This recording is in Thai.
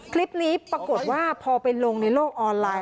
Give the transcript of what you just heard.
คลิปนี้ปรากฏว่าพอไปลงในโลกออนไลน์